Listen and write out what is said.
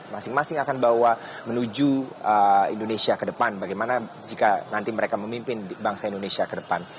masing masing akan bawa menuju indonesia ke depan bagaimana jika nanti mereka memimpin bangsa indonesia ke depan